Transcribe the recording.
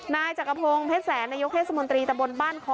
นายจักรพงศ์เพชรแสนนายกเทศมนตรีตะบนบ้านคอ